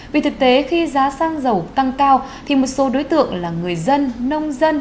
vì thực tế khi giá sang giàu tăng cao thì một số đối tượng là người dân nông dân